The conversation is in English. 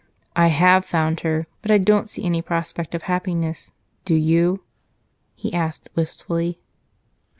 "I have found her, but I don't see any prospect of happiness, do you?" he asked wistfully.